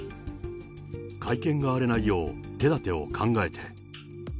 会見が荒れないよう手だてを考えて。